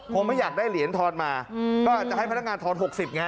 ไม่อยากได้เหรียญทอนมาก็อาจจะให้พนักงานทอน๖๐ไง